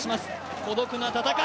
孤独な戦い